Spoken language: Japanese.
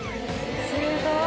すごい。